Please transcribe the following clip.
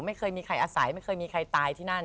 ไม่เคยมีใครอาศัยไม่เคยมีใครตายที่นั่น